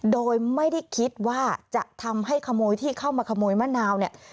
โดยไม่ได้คิดว่าจะทำให้ขโมยที่เข้ามาขโมยมะนาวเนี่ย